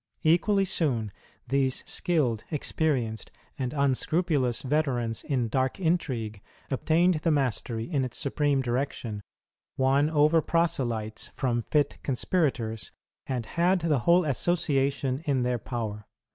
Equally soon, these skilled, experienced, and unscrupulous veterans in dark intrigue obtained the mastery in its supreme direction, won over proselytes from fit conspirators, and had the whole association in their power.